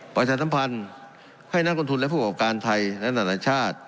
ประชาสัมพันธ์ให้นักลงทุนและผู้ประกอบการไทยและนานาชาติ